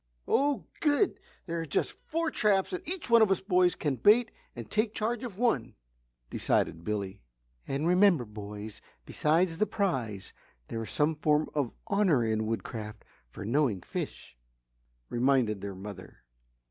"Oh good! there are just four traps and each one of us boys can bait and take charge of one," decided Billy. "And remember, boys, besides the prize, there is some form of Honour in Woodcraft for knowing fish," reminded their mother.